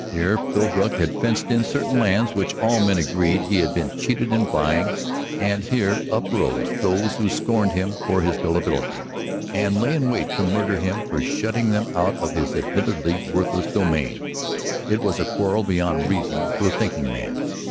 Here Philbrook had fenced in certain lands which all men agreed he had been cheated in buying, and here uprose those who scorned him for his gullibility, and lay in wait to murder him for shutting them out of his admittedly worthless domain. It was a quarrel beyond reason to a thinking man.